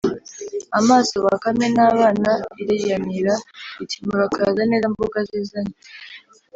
amaso Bakame n’abana iriyamira iti: “Murakaza neza mboga zizanye!